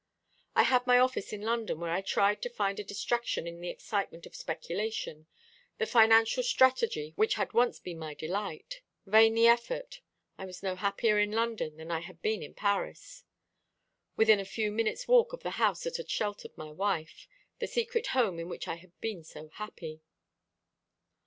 I had my office in London, where I tried to find a distraction in the excitement of speculation, the financial strategy which had once been my delight. Vain the effort. I was no happier in London than I had been in Paris, within a few minutes walk of the house that had sheltered my wife, the secret home in which I had been so happy.